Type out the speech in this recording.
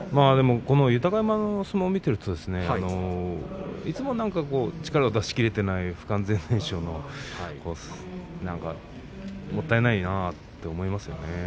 豊山の相撲を見ているといつもの力を出しきれていない不完全燃焼もったいないなと思いますね。